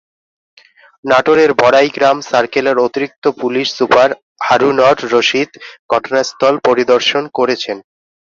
নাটোরের বড়াইগ্রাম সার্কেলের অতিরিক্ত পুলিশ সুপার হারুনর রশিদ ঘটনাস্থল পরিদর্শন করেছেন।